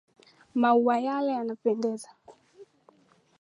Maua yale yanapendeza .